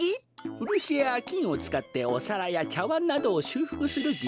ウルシやきんをつかっておさらやちゃわんなどをしゅうふくするぎ